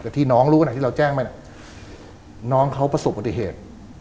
แต่ที่น้องรู้ขณะที่เราแจ้งไปน่ะน้องเขาประสบปฏิเหตุ